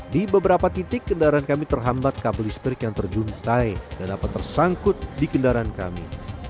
di beberapa titik kendaraan kami terhambat kabel listrik yang terjuntai dan dapat tersangkut di kendaraan kami